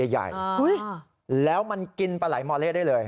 มอเล่ตัวใหญ่แล้วมันกินปลายมอเล่ด้วยเลย